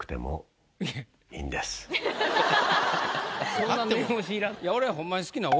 そんな念押しいらん俺。